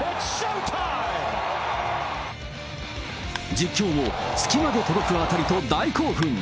実況も月まで届く当たりと大興奮。